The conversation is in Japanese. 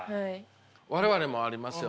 我々もありますよ。